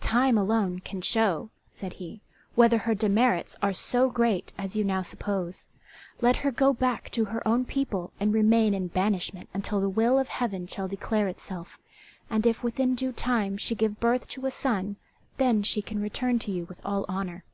"Time alone can show," said he, "whether her demerits are so great as you now suppose. Let her go back to her own people and remain in banishment until the will of Heaven shall declare itself, and if within due time she give birth to a son then can she return to you with all honour."